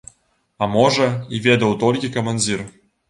А можа, і ведаў толькі камандзір.